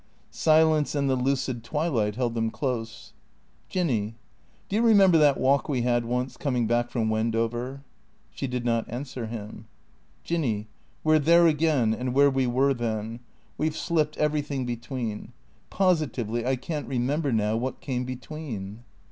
Silence and the lucid twilight held them close. " Jinny — do you remember that walk we had once, coming back from Wendover ?" She did not answer him. " Jinny — we 're there again and where we were then. We 've slipped everything between. Positively, I can't remember now what came between."